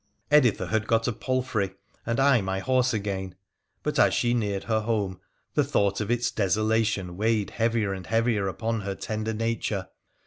Editha had got a palfrey and I my horse again ; but as si neared her home the thought of its desolation weighed heavii and heavier upon her tender nature.